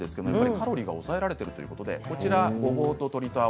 カロリーが抑えられているということですね。